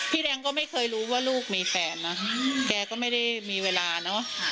แดงก็ไม่เคยรู้ว่าลูกมีแฟนนะแกก็ไม่ได้มีเวลาเนอะ